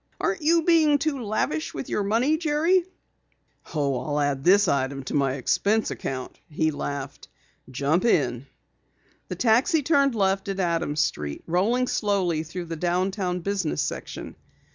"Aren't you being too lavish with your money, Jerry?" "Oh, I'll add this item to my expense account," he laughed. "Jump in." The taxi turned left at Adams street, rolling slowly through the downtown business section.